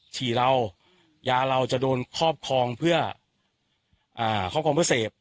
ฉี่เรายาเราจะโดนครอบครองเพื่อเสพ